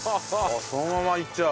そのままいっちゃう？